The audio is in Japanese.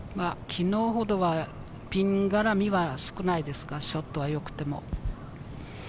昨日ほどはピンがらみは少ないですが、ショットは良くても。